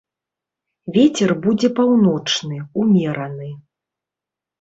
Вецер будзе паўночны, умераны.